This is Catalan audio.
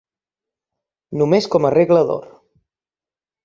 Només com a regla d'or.